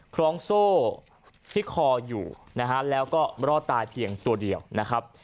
คล้องโซ่ที่คออยู่นะฮะแล้วก็รอดตายเพียงตัวเดียวนะครับ